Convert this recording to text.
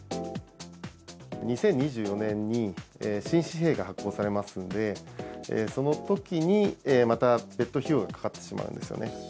２０２４年に、新紙幣が発行されますので、そのときに、また別途費用がかかってしまうんですよね。